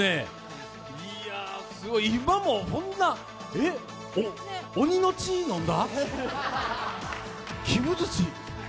今もこんな鬼の血飲んだ？